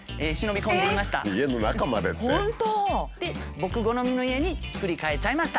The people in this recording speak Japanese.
僕好みの家に作り替えちゃいました。